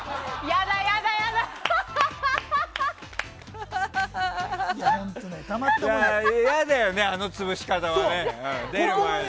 嫌だよね、あの潰し方はね。